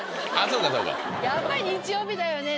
やっぱ日曜日だよね